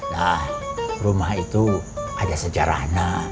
nah rumah itu ada sejarahnya